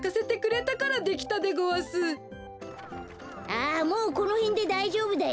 あもうこのへんでだいじょうぶだよ。